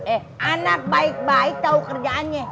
eh anak baik baik tahu kerjaannya